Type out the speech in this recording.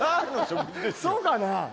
そうかな？